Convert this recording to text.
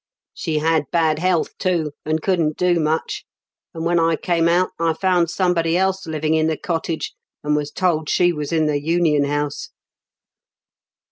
She had bad health, too, and couldn't do much ; and when I came out I found somebody else living in the cottage, and was told she was in the union house.